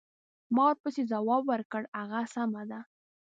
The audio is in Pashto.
ما ورپسې ځواب ورکړ: هغه سمه ده.